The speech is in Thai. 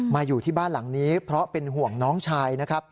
มาอยู่ที่บ้านหลังนี้เพราะเป็นห่วงน้องชายนะครับ